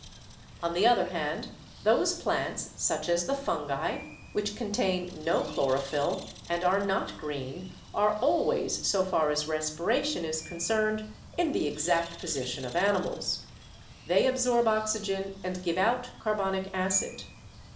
On the other hand, those plants, such as the fungi, which contain no chlorophyll and are not green, are always, so far as respiration is concerned, in the exact position of animals. They absorb oxygen and give out carbonic acid.